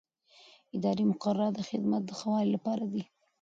اداري مقررات د خدمت د ښه والي لپاره دي.